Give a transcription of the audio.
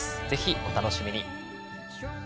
ぜひお楽しみに。